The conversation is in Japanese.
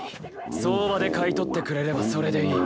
相場で買い取ってくれればそれでいい。